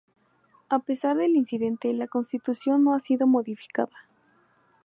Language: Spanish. A pesar del incidente, la Constitución no ha sido modificada.